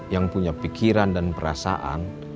yang punya pikiran dan perasaan